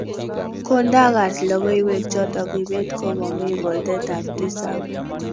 kondagas logoiywek chotok kibet ko komii poldet ab tisap